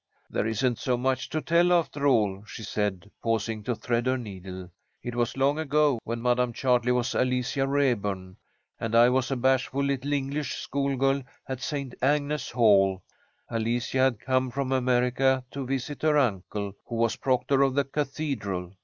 "There isn't so much to tell, after all," she said, pausing to thread her needle. "It was long ago, when Madam Chartley was Alicia Raeburn, and I was a bashful little English schoolgirl at St. Agnes Hall. Alicia had come from America to visit her uncle, who was proctor of the cathedral.